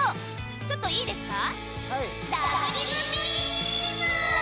ちょっといいですか？